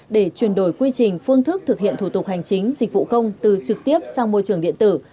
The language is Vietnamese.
để chuyển đổi quy trình phương thức thực hiện thủ tục hành chính dịch vụ công từ trực tiếp sang môi trường điện tử